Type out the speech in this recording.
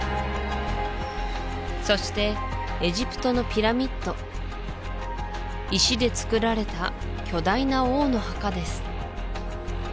そしてエジプトのピラミッド石でつくられた巨大な王の墓です